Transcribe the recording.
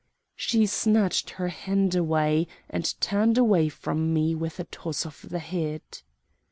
She snatched her hand away, and turned away from me with a toss of the head.